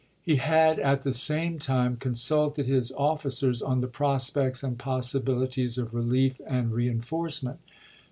He had at the same time consulted his officers on the prospects and possibilities of relief and rein forcement.